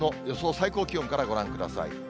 最高気温からご覧ください。